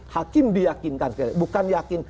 hakim diyakinkan bukan yakin